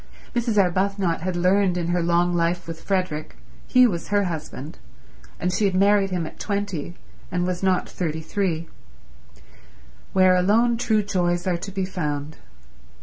Mrs. Arbuthnot had learned in her long life with Frederick—he was her husband, and she had married him at twenty and was not thirty three—where alone true joys are to be found.